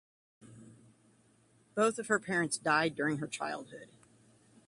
Both of her parents died during her childhood.